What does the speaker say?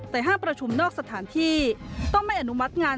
แต่ห้ามประชุมนอกสถานที่ต้องไม่อนุมัติงาน